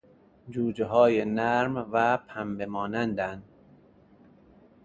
جوجههای نرم و پنبه مانند ن